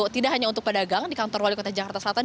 tidak hanya untuk pedagang di kantor wali kota jakarta selatan